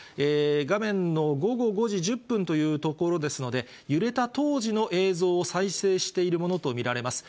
画面の午後５時１０分というところですので、揺れた当時の映像を再生しているものと見られます。